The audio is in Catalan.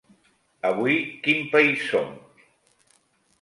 Avui quin país som?